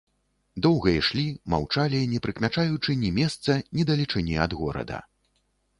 Доўга ішлі, маўчалі, не прыкмячаючы ні месца, ні далечыні ад горада.